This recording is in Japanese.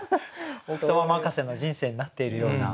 奥様任せの人生になっているような。